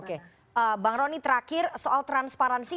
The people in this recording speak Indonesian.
oke bang roni terakhir soal transparansi